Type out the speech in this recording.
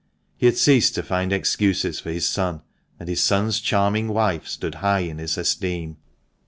He had ceased to find excuses for his son, and his son's charming wife stood high in his esteem.